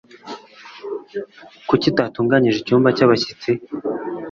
kuki utatunganyije icyumba cy' abashyitsi